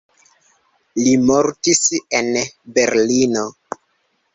Li mortis en Berlino.